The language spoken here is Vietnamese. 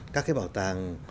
các cái bảo tàng